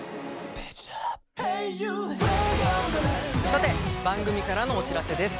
さて番組からのお知らせです。